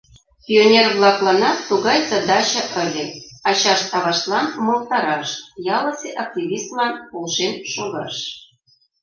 Пионер-влакланат тугай задача ыле: ачашт-аваштлан умылтараш, ялысе активистлан полшен шогаш.